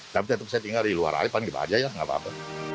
tapi tentu saya tinggal di luar alipan gitu aja ya nggak apa apa